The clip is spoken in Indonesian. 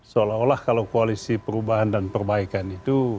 seolah olah kalau koalisi perubahan dan perbaikan itu